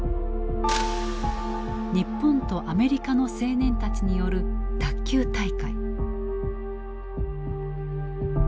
日本とアメリカの青年たちによる卓球大会。